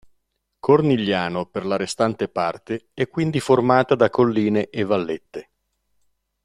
Cornigliano per la restante parte è quindi formata da colline e vallette.